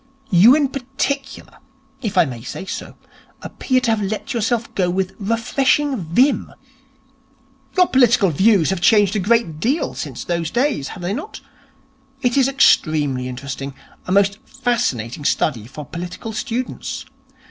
You in particular, if I may say so, appear to have let yourself go with refreshing vim. Your political views have changed a great deal since those days, have they not? It is extremely interesting. A most fascinating study for political students.